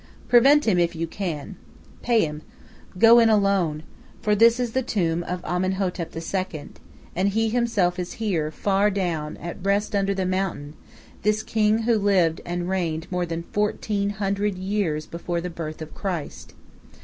Prevent him if you can. Pay him. Go in alone. For this is the tomb of Amenhotep II.; and he himself is here, far down, at rest under the mountain, this king who lived and reigned more than fourteen hundred years before the birth of Christ.